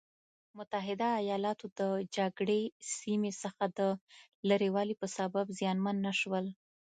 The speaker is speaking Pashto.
متحده ایلاتو د جګړې سیمې څخه د لرې والي په سبب زیانمن نه شول.